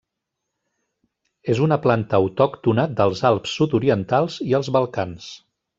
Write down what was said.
És una planta autòctona dels Alps sud-orientals i els Balcans.